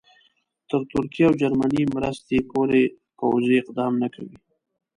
تر ترکیې او جرمني مرستې پورې پوځي اقدام نه کوي.